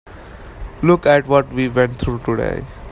Look at what we went through today.